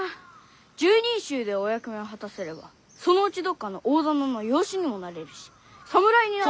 拾人衆でお役目を果たせればそのうちどっかの大店の養子にもなれるし侍にだって！